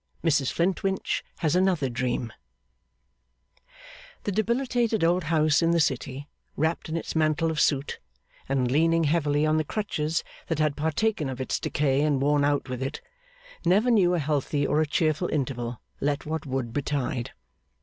Mrs Flintwinch has another Dream The debilitated old house in the city, wrapped in its mantle of soot, and leaning heavily on the crutches that had partaken of its decay and worn out with it, never knew a healthy or a cheerful interval, let what would betide.